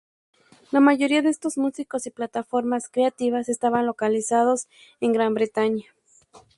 La mayoría de estos músicos y plataformas creativas estaban localizados en Gran Bretaña.